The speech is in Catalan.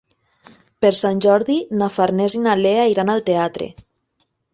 Per Sant Jordi na Farners i na Lea iran al teatre.